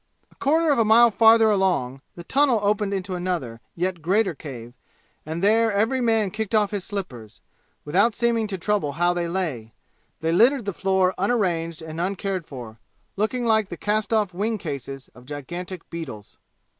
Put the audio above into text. A quarter of a mile farther along the tunnel opened into another, yet greater cave, and there every man kicked off his slippers, without seeming to trouble how they lay; they littered the floor unarranged and uncared for, looking like the cast off wing cases of gigantic beetles.